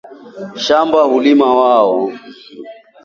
shambani hulima wao